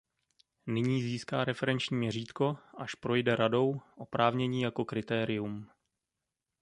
Nyní získá referenční měřítko, až projde Radou, oprávnění jako kritérium.